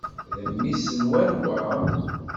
D mmi-s n wanwa?